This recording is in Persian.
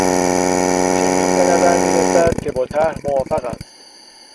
چنین به نظر میرسد که با طرح موافق است.